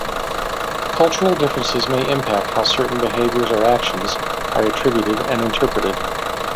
Cultural differences may impact how certain behaviors or actions are attributed and interpreted.